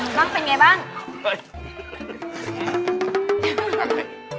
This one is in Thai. บ้างเป็นอย่างไรบ้าง